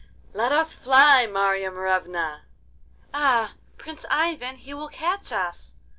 'Let us fly, Marya Morevna!' 'Ah, Prince Ivan! he will catch us.